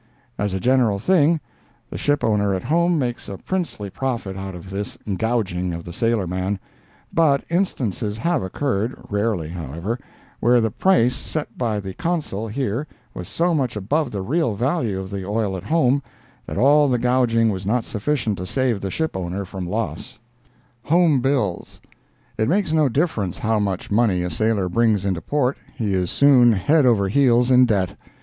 As a general thing, the ship owner at home makes a princely profit out of this "gouging" of the sailor man; but instances have occurred—rarely, however—where the price set by the Consul here was so much above the real value of the oil at home, that all the gouging was not sufficient to save the ship owner from loss. "Home Bills"—It makes no difference how much money a sailor brings into port, he is soon head over heels in debt.